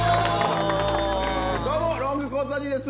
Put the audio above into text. どうもロングコートダディです。